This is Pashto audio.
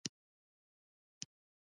په پښتنو کې ګوتې کمې شوې.